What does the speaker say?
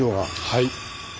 はい。